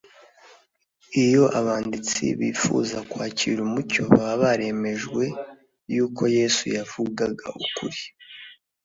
Iyo abanditsi bifuza kwakira umucyo, baba baremejwe yuko Yesu yavugaga ukuri